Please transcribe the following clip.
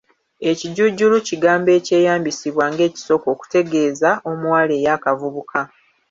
Ekijuujulu kigambo ekyeyambisibwa ng’ekisoko okutegeeza omuwala eyaakavubuka.